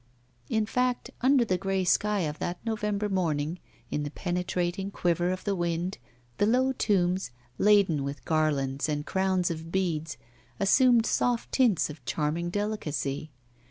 In fact, under the grey sky of that November morning, in the penetrating quiver of the wind, the low tombs, laden with garlands and crowns of beads, assumed soft tints of charming delicacy.